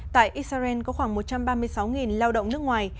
tại israel có khoảng một trăm ba mươi sáu lao động nước ngoài